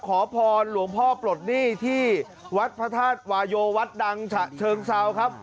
ขอพรหลวงพ่อปลดหนี้ที่วัดพระธาตุวายโยวัดดังฉะเชิงเซาครับ